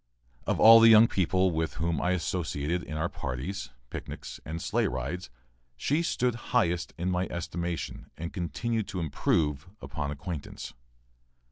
Of all the young people with whom I associated in our parties, picnics, and sleigh rides, she stood highest in my estimation and continued to improve upon acquaintance.